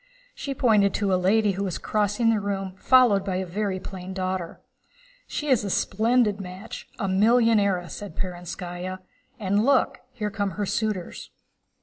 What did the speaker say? She pointed to a lady who was crossing the room followed by a very plain daughter. "She is a splendid match, a millionairess," said Perónskaya. "And look, here come her suitors."